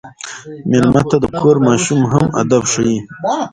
مېلمه ته د کور ماشوم هم ادب ښيي.